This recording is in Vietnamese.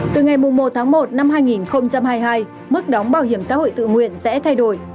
từ ngày một tháng một năm hai nghìn hai mươi hai mức đóng bảo hiểm xã hội tự nguyện sẽ thay đổi